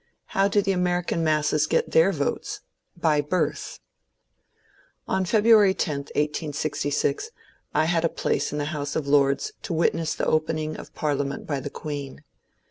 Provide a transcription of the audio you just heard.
How do .the American masses get their votes ? By birth. On February 10, 1866, I had a place in the House of Lords to witness the opening of Parliament by the Queen.